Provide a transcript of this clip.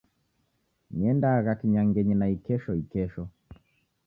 Niendagha kinyangenyi naikesho ikesho.